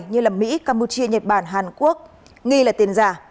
như mỹ campuchia nhật bản hàn quốc nghi là tiền giả